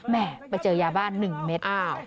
แหม่ไปเจอยาบ้าน๑เมตร